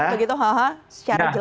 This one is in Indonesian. begitu haha secara jelas